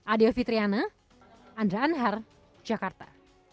adia fitriana andra anhar jakarta